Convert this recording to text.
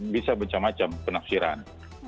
bisa macam macam penafsiran